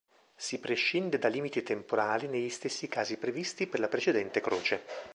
Si prescinde da limiti temporali negli stessi casi previsti per la precedente Croce.